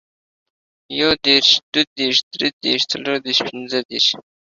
يو دېرش، دوه دېرش، دري دېرش ، څلور دېرش، پنځه دېرش،